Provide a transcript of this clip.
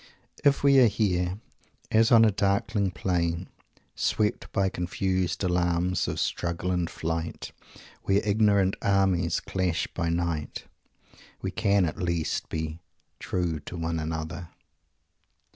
If we are here "as on a darkling plain, swept by confused alarms of struggle and flight, where ignorant armies clash by night," we can at least be "true to one another."